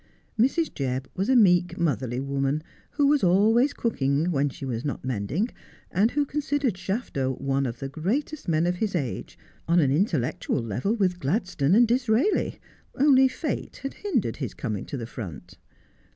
Mrs. Jebb was a meek, motherly woman, who was always cooking when she was not mending, and who considered Shafto one of the greatest men of his age, on an intellectual level with Gladstone and Disraeli, only Fate had hindered his coming to the front.